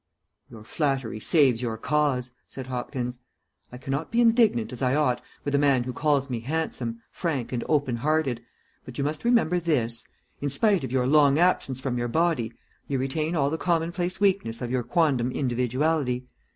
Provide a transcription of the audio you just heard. "Your flattery saves your cause," said Hopkins. "I cannot be indignant, as I ought, with a man who calls me handsome, frank, and open hearted, but you must remember this: in spite of your long absence from your body, you retain all the commonplace weakness of your quondam individuality.